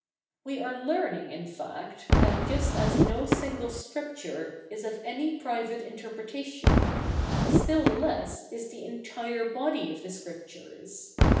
We are learning^ in fact, that just as no single scripture "is of any private interpretation ;" still less is the entire body of the Scrip tures.